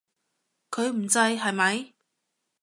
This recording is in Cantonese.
佢唔制，係咪？